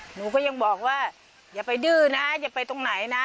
หนูก็ยังบอกว่าอย่าไปดื้อนะอย่าไปตรงไหนนะ